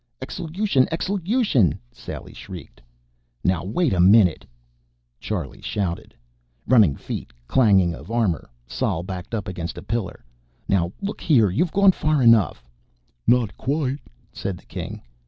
"Exelution! Exelution!" Sally shrieked. "Now wait a minute " Charlie shouted. Running feet, clanking of armor. Sol backed up against a pillar. "Now look here. You've gone far enough " "Not quite," said the King.